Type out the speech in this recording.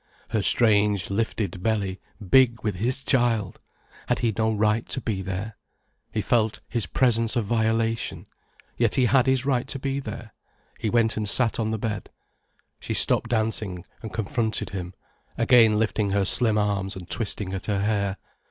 Her strange, lifted belly, big with his child! Had he no right to be there? He felt his presence a violation. Yet he had his right to be there. He went and sat on the bed. She stopped dancing, and confronted him, again lifting her slim arms and twisting at her hair.